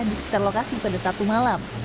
di sekitar lokasi pada sabtu malam